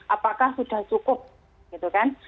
apakah sudah cukup gitu kan